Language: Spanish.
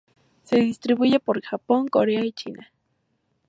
Se distribuye por Japón, Corea y China.